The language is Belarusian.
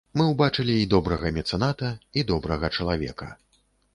Мы ўбачылі і добрага мецэната, і добрага чалавека.